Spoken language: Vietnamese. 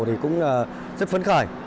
thì cũng rất phấn khởi